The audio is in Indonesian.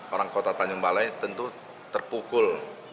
orang kota tanjung balai tentu terpukul